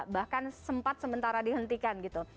bahkan sempat sementara dihentikan gitu